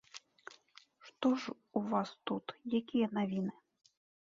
Што ж у вас тут, якія навіны?